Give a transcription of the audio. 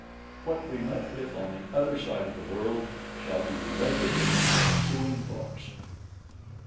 What we met with on the other side of the world, shall be related in the ensuing books.